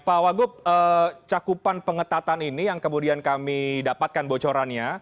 pak wagup cakupan pengetatan ini yang kemudian kami dapatkan bocorannya